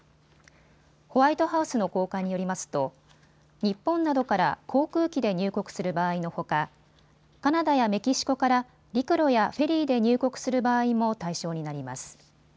ホワイトハウスの高官によりますと日本などから航空機で入国する場合のほかカナダやメキシコから陸路やフェリーで入国する場合も対象になります。